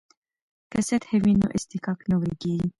که سطح وي نو اصطکاک نه ورکیږي.